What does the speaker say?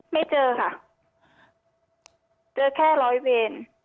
ไม่เจอค่ะเจอแค่ร้อยเวร